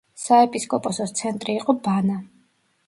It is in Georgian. საეპისკოპოსოს ცენტრი იყო ბანა.